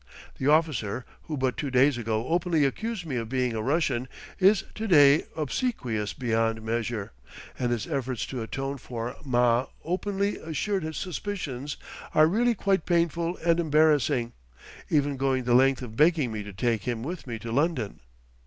The officer, who but two days ago openly accused me of being a Russian, is to day obsequious beyond measure, and his efforts to atone for Ma openly assured suspicions are really quite painful and embarrassing; even going the length of begging me to take him with me to London.